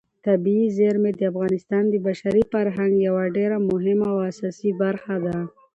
طبیعي زیرمې د افغانستان د بشري فرهنګ یوه ډېره مهمه او اساسي برخه ده.